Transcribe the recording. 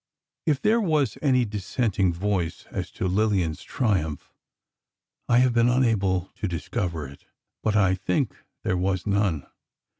If there was any dissenting voice as to Lillian's triumph, I have been unable to discover it. But I think there was none.